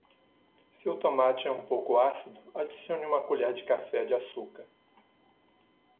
Se o tomate é um pouco ácido, adicione uma colher de café de açúcar.